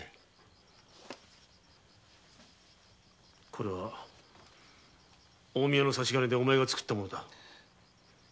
これは近江屋の差し金でお前が造ったものだ。